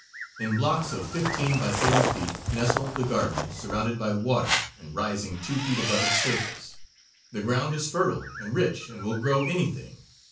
In blocks of fifteen by thirty feet nestle the gardens surrounded by water and rising two feet above its surface. The ground is fertile and rich and will grow anything.